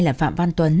là phạm văn tuấn